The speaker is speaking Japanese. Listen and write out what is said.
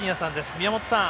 宮本さん